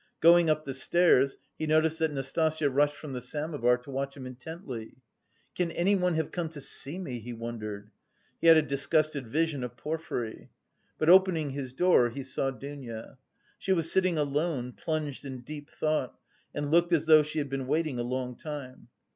Going up the stairs he noticed that Nastasya rushed from the samovar to watch him intently. "Can anyone have come to see me?" he wondered. He had a disgusted vision of Porfiry. But opening his door he saw Dounia. She was sitting alone, plunged in deep thought, and looked as though she had been waiting a long time.